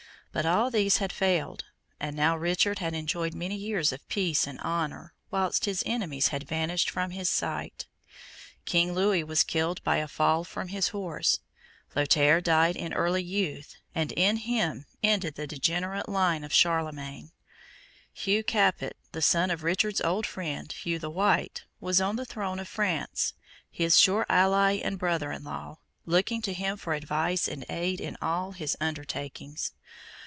But all these had failed; and now Richard had enjoyed many years of peace and honour, whilst his enemies had vanished from his sight. King Louis was killed by a fall from his horse; Lothaire died in early youth, and in him ended the degenerate line of Charlemagne; Hugh Capet, the son of Richard's old friend, Hugh the White, was on the throne of France, his sure ally and brother in law, looking to him for advice and aid in all his undertakings.